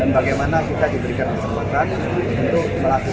dan bagaimana kita diberikan kesempatan untuk melakukan